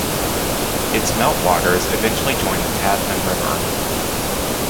Its meltwaters eventually join the Tasman River.